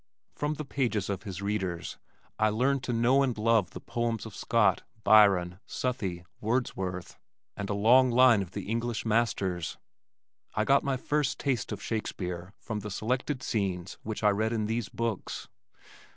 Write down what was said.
From the pages of his readers I learned to know and love the poems of Scott, Byron, Southey, Wordsworth and a long line of the English masters. I got my first taste of Shakespeare from the selected scenes which I read in these books.